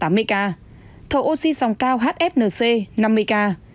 thở oxy dòng cao hfnc năm mươi ca